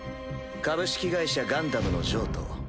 「株式会社ガンダム」の譲渡。